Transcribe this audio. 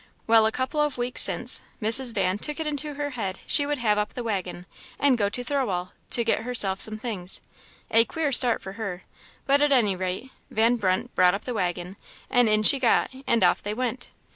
Well, a couple of weeks since, Mrs. Van took it into her head she would have up the waggon, and go to Thirlwall, to get herself some things a queer start for her; but, at any rate, Van Brunt brought up the waggon, and in she got, and off they went.